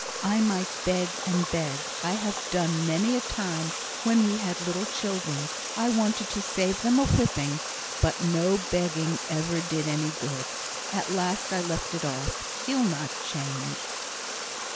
I might beg and beg I have done many a time, when we had little children, and I wanted to save them a whipping but no begging ever did any good. At last I left it off. He'll not change."